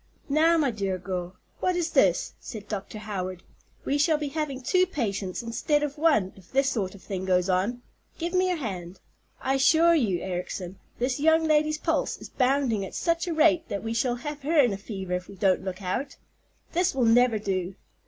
"Now, my dear girl, what is this?" said Dr. Howard. "We shall be having two patients instead of one if this sort of thing goes on. Give me your hand. I assure you, Ericson, this young lady's pulse is bounding at such a rate that we shall have her in a fever if we don't look out. This will never do.